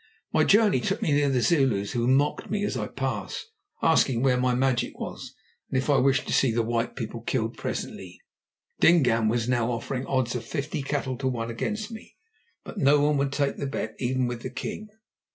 My journey took me near the Zulus, who mocked me as I passed, asking where my magic was, and if I wished to see the white people killed presently. Dingaan was now offering odds of fifty cattle to one against me, but no one would take the bet even with the king.